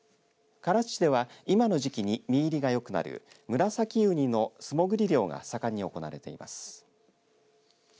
唐津市では今の時期に身入りが良くなるムラサキウニの素潜り漁が盛んに行われています。